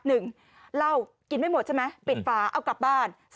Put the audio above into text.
เหล้ากินไม่หมดใช่ไหมปิดฝาเอากลับบ้าน